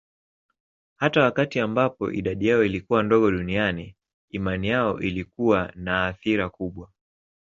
Hata wakati ambapo idadi yao ilikuwa ndogo duniani, imani yao ilikuwa na athira kubwa.